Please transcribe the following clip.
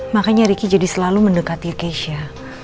makanya riki jadi selalu mendekati keisha